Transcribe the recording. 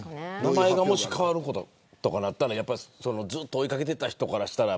名前が変わるとかになったらずっと追い掛けていた人からしたら。